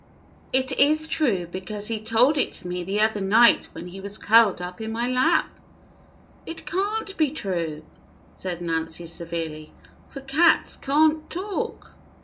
"It is true, because he told it to me the other night when he was curled up in my lap." "It can't be true," said Nancy severely, "for cats can't talk."